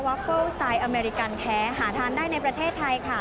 หาทานได้ในประเทศไทยค่ะ